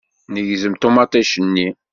Negzem ṭumaṭic-nni.